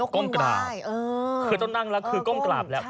ก้มกราบคือต้องนั่งแล้วคือก้มกราบแล้ว